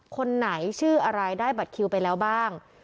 คนไหนชื่ออะไรได้บัตรคิวไปแล้วบ้าง